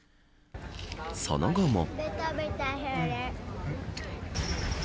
その後も。